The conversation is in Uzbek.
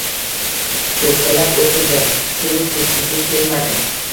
Choʻkkalab oʻtirdi. Turib ketgisi kelmadi.